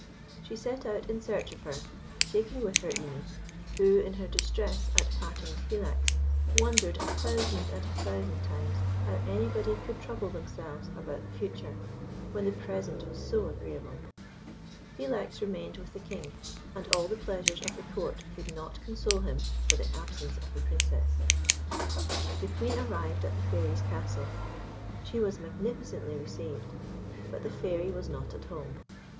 She set out in search of her, taking with her Imis, who, in her distress at parting with Philax, wondered a thousand and a thousand times how anybody could trouble themselves about the future when the present was so agreeable. Philax remained with the King, and all the pleasures of the Court could not console him for the absence of the Princess. The Queen arrived at the Fairy's castle. She was magnificently received; but the Fairy was not at home.